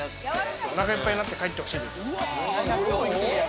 お腹いっぱいになって帰ってほしいです。